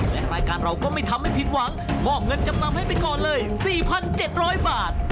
และรายการเราก็ไม่ทำให้ผิดหวังมอบเงินจำนำให้ไปก่อนเลย๔๗๐๐บาท